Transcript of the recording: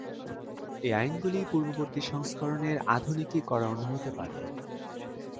এই আইনগুলি পূর্ববর্তী সংস্করণের আধুনিকীকরণ হতে পারে।